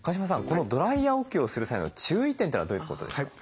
このドライヤーお灸をする際の注意点というのはどういうことですか？